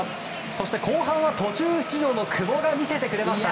そして後半は途中出場の久保が見せてくれました。